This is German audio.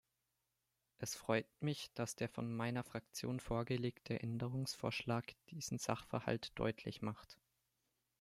Es freut mich, dass der von meiner Fraktion vorgelegte Änderungsvorschlag diesen Sachverhalt deutlich macht.